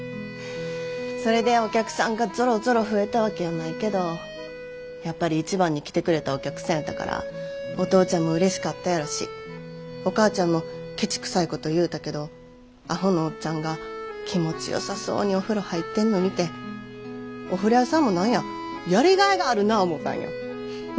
それでお客さんがぞろぞろ増えたわけやないけどやっぱり１番に来てくれたお客さんやったからお父ちゃんもうれしかったやろしお母ちゃんもケチくさいこと言うたけどアホのおっちゃんが気持ちよさそうにお風呂入ってんの見てお風呂屋さんも何ややりがいがあるな思たんよ。